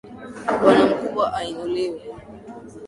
Bwana mkubwa ainuliwe.